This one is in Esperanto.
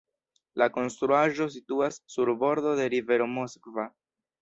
La konstruaĵo situas sur bordo de rivero Moskva.